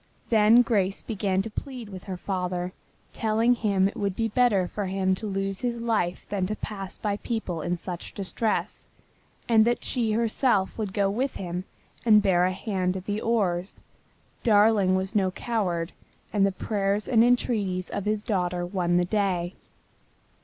Then Grace began to plead with her father, telling him it would be better for him to lose his life than to pass by people in such distress, and that she herself would go with him and bear a hand at the oars. Darling was no coward, and the prayers and entreaties of his daughter won the day.